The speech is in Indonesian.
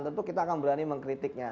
tentu kita akan berani mengkritiknya